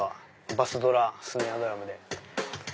バスドラスネアドラムで。